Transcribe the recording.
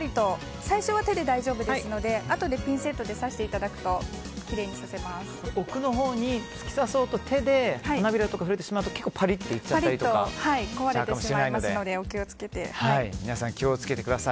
最初は手で大丈夫ですのであとでピンセットで挿していただくと奥のほうに突き刺そうと手で花びらとかに触れてしまうと結構パリって皆さん気を付けてください。